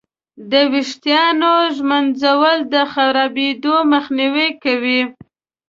د ویښتانو ږمنځول د خرابېدو مخنیوی کوي.